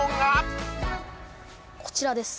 こちらです